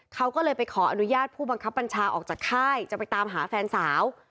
เขาก็เลยไปขออนุญาตผู้บังคับบัญชาออกจากค่ายจะไปตามหาแฟนสาว